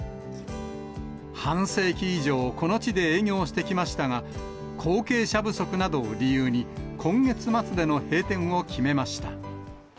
半世紀以上、この地で営業してきましたが、後継者不足などを理由に、今月末での閉店を決めました。